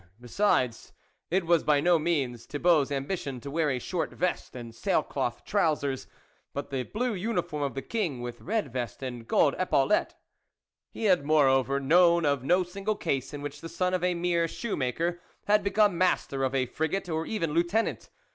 besides, it was by no means Thibault's ambition to wear a short vest and sail cloth trousers, but the blue uniform of the king with red vest and gold epaulettes. He had moreover known of no single case in which the son of a mere shoe maker had become Master of a Frigate, or even Lieutenant.